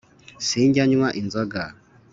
Sinjya nywa inzoga